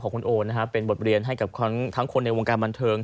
ขอบคุณโอ่นนะครับเป็นบทเรียนให้กับทั้งคนในวงการบรรเทิง